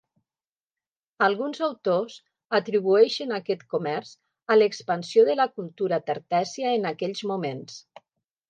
Alguns autors atribueixen aquest comerç a l'expansió de la cultura tartèssia en aquells moments.